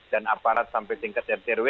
dan aparat sampai tingkat rt rw